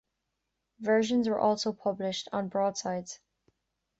Versions were also published on broadsides.